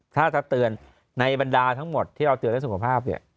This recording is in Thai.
ถ้าจะเตือนในบรรดาทั้งหมดที่เราเตือนและสุขภาพเนี่ย